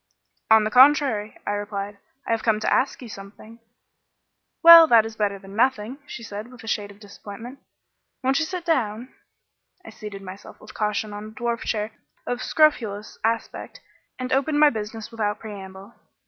"On the contrary," I replied, "I have come to ask you something." "Well, that is better than nothing," she said, with a shade of disappointment. "Won't you sit down?" I seated myself with caution on a dwarf chair of scrofulous aspect, and opened my business without preamble.